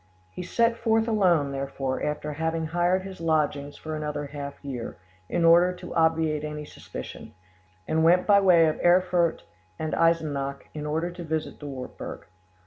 He set forth alone, therefore, after having hired his lodgings for another half year, in order to obviate any suspicion, and went by way of Erfurt and Eisenach, in order to visit the Wartburg.